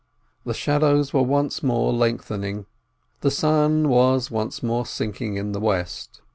The shadows were once more lengthen ing, the sun was once more sinking in the west.